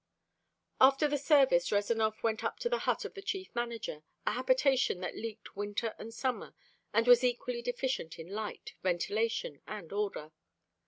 After the service Rezanov went up to the hut of the Chief Manager, a habitation that leaked winter and summer, and was equally deficient in light, ventilation and order.